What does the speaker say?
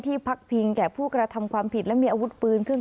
พักพิงแก่ผู้กระทำความผิดและมีอาวุธปืนขึ้น